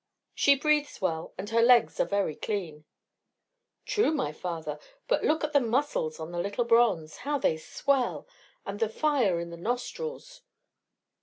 "She breathes well, and her legs are very clean." "True, my father, but look at the muscles of the little bronze. How they swell! And the fire in the nostrils!"